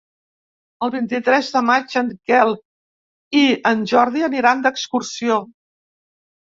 El vint-i-tres de maig en Quel i en Jordi aniran d'excursió.